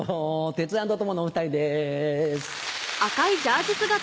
テツ ａｎｄ トモのお２人です。